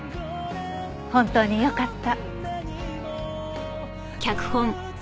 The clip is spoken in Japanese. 本当によかった。